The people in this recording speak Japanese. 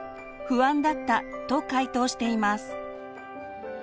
不安だったと回答しています。